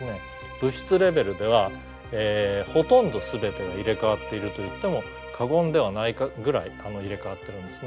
物質レベルではほとんど全てが入れ代わっていると言っても過言ではないぐらい入れ代わってるんですね。